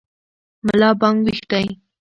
ملا بانګ ویښ دی.